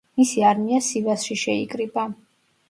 მისი არმია სივასში შეიკრიბა.